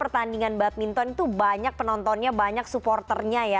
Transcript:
dan badminton itu banyak penontonnya banyak supporternya ya